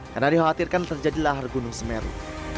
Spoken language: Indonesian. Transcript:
karena dikhawatirkan terjadi lahar gunung semeru